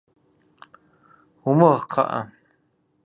Умыгъ, кхъыӏэ.